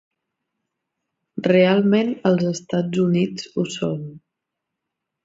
Realment els Estats Units ho són.